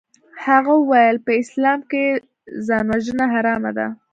هغه وويل په اسلام کښې ځانوژنه حرامه ده.